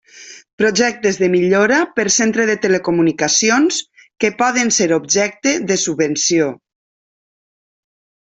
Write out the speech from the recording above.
Projectes de millora per centre de telecomunicacions que poden ser objecte de subvenció.